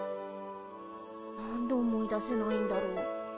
何で思い出せないんだろう。